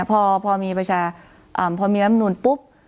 พอมีประชาพอมีรำนูนปุ๊บ